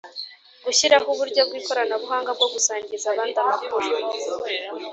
Gushyiraho uburyo bw ikoranabuhanga bwo gusangiza abandi amakuru